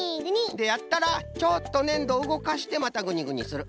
でやったらちょっとねんどをうごかしてまたグニグニする。